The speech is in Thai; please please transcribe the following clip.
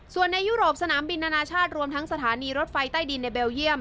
ส่วนในยุโรปสนามบินนานาชาติรวมทั้งสถานีรถไฟใต้ดินในเบลเยี่ยม